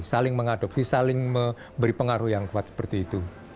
saling mengadopsi saling memberi pengaruh yang kuat seperti itu